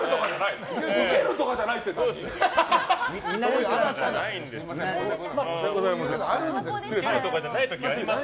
ウケるとかじゃないってどうです？